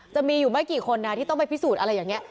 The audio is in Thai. จะมีอยู่ไหม้กี่คนที่ต้องไปพิสูจน์อะไรเงี่ย